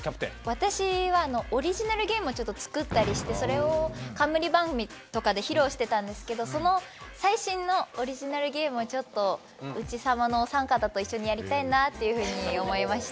私はオリジナルゲームを作ったりしてそれを冠番組とかで披露してたんですけどその最新のオリジナルゲームをちょっと「内さま」のお３方と一緒にやりたいなって思いまして。